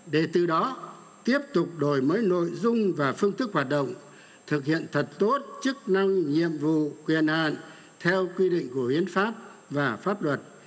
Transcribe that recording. để từ đó tiếp tục đổi mới nội dung và phương thức hoạt động thực hiện thật tốt chức năng nhiệm vụ quyền hạn theo quy định của hiến pháp và pháp luật